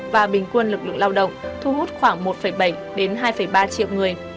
và bình quân lực lượng lao động thu hút khoảng một bảy hai ba triệu người